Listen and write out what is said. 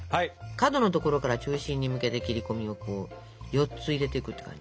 角の所から中心に向けて切り込みをこう４つ入れてくって感じ。